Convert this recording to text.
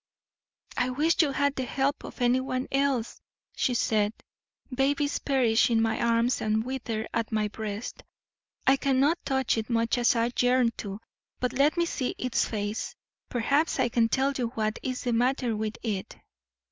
"'I wish you had the help of anyone else,' said she. 'Babies perish in my arms and wither at my breast. I cannot touch it, much as I yearn to. But let me see its face; perhaps I can tell you what is the matter with it.'